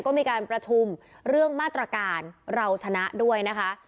ก็มีการประชุมเรื่องมาตรการเราชนะด้วยนะคะ